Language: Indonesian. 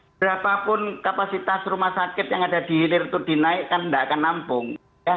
berapapun kapasitas rumah sakit yang ada di hilir itu dinaikkan tidak akan nampung